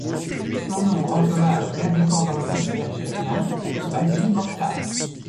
Son nom rend hommage à l'indépendantiste algérien Badji Mokhtar.